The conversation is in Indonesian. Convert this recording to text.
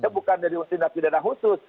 bukan dari undang undang pindah kedanaan khusus